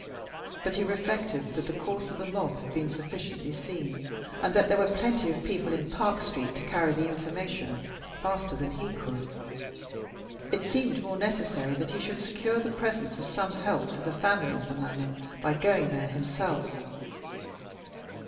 But he reflected that the course of the mob had been sufficiently seen, and that there were plenty of people in Park Street to carry the information faster than he could. It seemed more necessary that he should secure the presence of some help for the family at the Manor by going there himself.